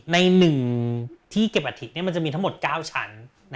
ในหนึ่งที่เก็บอัฐิมันจะมีทั้งหมด๙ชั้น